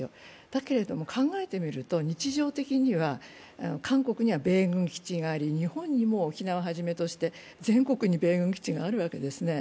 だけれども、考えてみると日常的には韓国には米軍基地があり、日本にも沖縄をはじめとして全国に米軍基地があるわけですね。